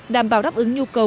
đảm bảo đáp ứng nhu cầu